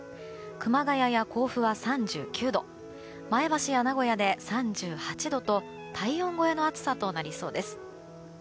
熊谷や甲府は３９度前橋や名古屋で３８度と体温超えの暑さとなりそうです。